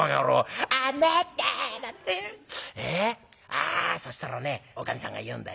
ああそしたらねおかみさんが言うんだよ。